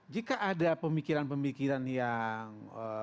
jika ada pemikiran pemikiran yang